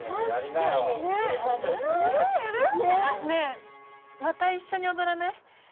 ねぇまた一緒に踊らない？